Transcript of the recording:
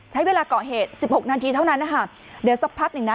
ใช้เวลาก่อเหตุสิบหกนาทีเท่านั้นนะคะเดี๋ยวสักพักหนึ่งนะ